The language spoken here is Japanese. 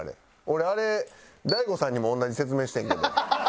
俺あれ大悟さんにも同じ説明してんけど。